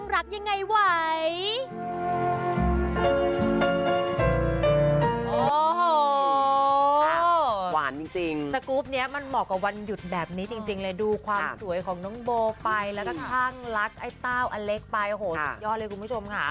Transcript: โรควันหยุดแบบนี้จริงเลยดูความสวยของน้องบ่อไปแล้วก็ค่าลักไอ้เต้าอเล็กไปโถยอดเลยคุณผู้ชมค่ะ